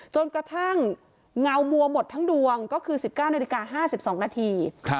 จนกระทั่งเงามัวหมดทั้งดวงก็คือ๑๙นาฬิกา๕๒นาที